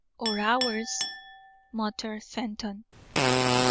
"Or ours," muttered Fenton.